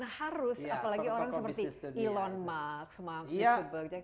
nah harus apalagi orang seperti elon musk mark zuckerberg